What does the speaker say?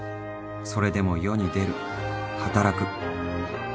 それでも世に出る働く